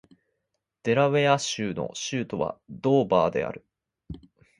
デラウェア州の州都はドーバーである